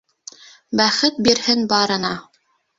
Бәхет бирһен барына.